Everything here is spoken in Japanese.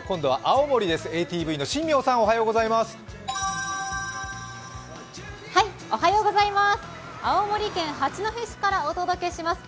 青森県八戸市からお届けします。